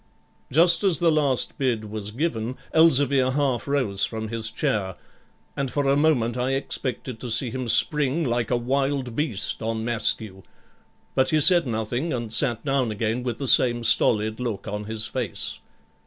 Just as the last bid was given, Elzevir half rose from his chair, and for a moment I expected to see him spring like a wild beast on Maskew; but he said nothing, and sat down again with the same stolid look on his face.